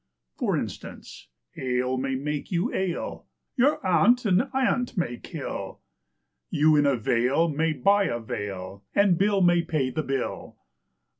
For instance, ale may make you ail, your aunt an ant may kill, You in a vale may buy a veil and Bill may pay the bill.